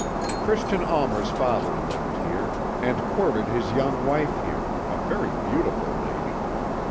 "Christian Almer's father lived here, and courted his young wife here; a very beautiful lady.